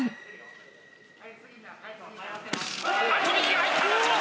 右が入った松本！